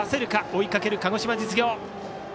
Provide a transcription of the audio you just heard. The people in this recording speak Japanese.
追いかける鹿児島実業。